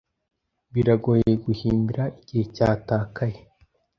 Biragoye guhimbira igihe cyatakaye.